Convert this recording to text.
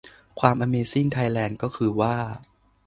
ความอเมซิ่งไทยแลนด์ก็คือว่า